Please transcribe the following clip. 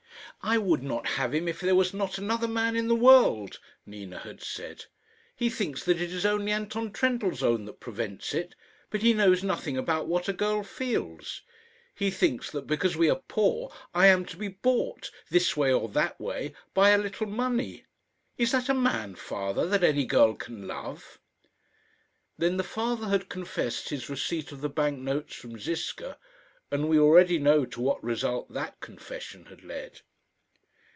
"I would not have him if there was not another man in the world," Nina had said. "He thinks that it is only Anton Trendellsohn that prevents it, but he knows nothing about what a girl feels. He thinks that because we are poor I am to be bought, this way or that way, by a little money. Is that a man, father, that any girl can love?" Then the father had confessed his receipt of the bank notes from Ziska, and we already know to what result that confession had led.